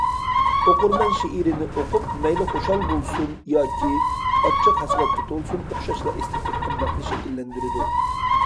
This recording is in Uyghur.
ئوقۇرمەن شېئىرىنى ئوقۇپ مەيلى خۇشال بولسۇن ياكى ئاچچىق ھەسرەتكە تولسۇن ئوخشاشلا ئېستېتىك قىممەتنى شەكىللەندۈرىدۇ.